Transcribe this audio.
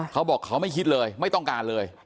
เขาบอกเขาไม่คิดเลยไม่ต้องการเลย